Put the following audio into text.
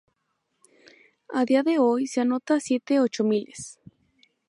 A día de hoy se anota siete ochomiles.